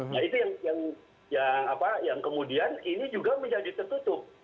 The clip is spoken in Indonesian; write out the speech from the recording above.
nah itu yang kemudian ini juga menjadi tertutup